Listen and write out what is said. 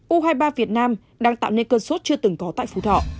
u hai mươi ba việt nam đang tạo nên cơn suốt chưa từng có tại phủ thọ